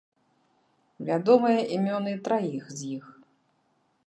Вядомыя імёны траіх з іх.